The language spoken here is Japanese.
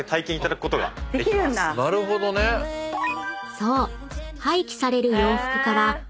［そう］